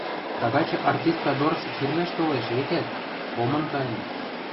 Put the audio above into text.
Тагачы артистка дорц сирмӓш толеш, векӓт, омын кайын.